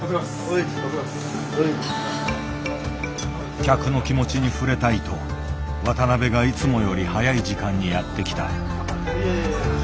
客の気持ちに触れたいと渡辺がいつもより早い時間にやって来た。